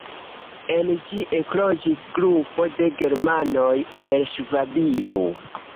En ĝi ekloĝis grupo de germanoj el Ŝvabio.